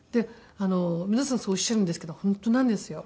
皆さんそうおっしゃるんですけど本当なんですよ。